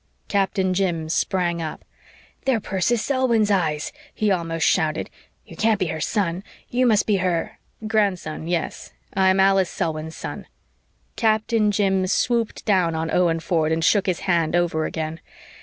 Captain Jim sprang up. "They're Persis Selwyn's eyes," he almost shouted. "You can't be her son you must be her " "Grandson; yes, I am Alice Selwyn's son." Captain Jim swooped down on Owen Ford and shook his hand over again.